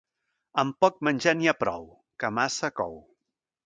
Amb poc menjar n'hi ha prou, que massa cou.